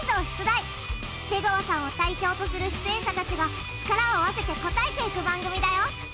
出川さんを隊長とする出演者たちが力を合わせて答えていく番組だよ！